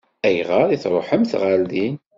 Ayɣer i tṛuḥemt ɣer din?